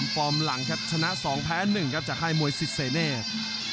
ฟอร์มหลังครับชนะ๒แพ้๑ครับจากค่ายมวยสิทเสเนธ